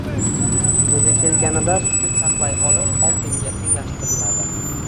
Kezi kelganida sukut saqlay olish oltinga tenglashtiriladi.